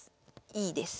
いいです。